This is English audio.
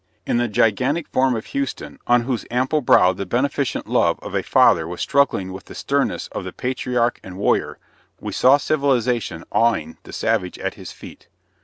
In the gigantic form of Houston, on whose ample brow the beneficent love of a father was struggling with the sternness of the patriarch and warrior, we saw civilization awing the savage at his feet.